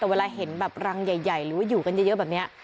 แต่เวลาเห็นแบบรังใหญ่หรือว่าอยู่กันเยอะแบบนี้